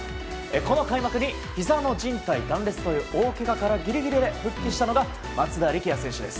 この開幕にひざのじん帯断裂という大けがからギリギリで復帰したのが松田力也選手です。